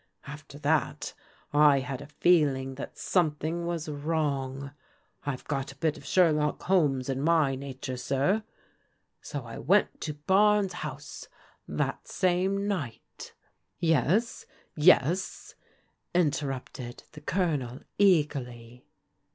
After that, I had a feel ing that something was wrong. I've got a bit of Sher lock Holmes in my nature, sin So I went to Barnes' house that same night" Yes, yes," interrupted the Q)lonel eagerly.